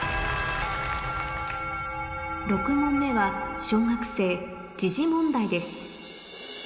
６問目は小学生問題です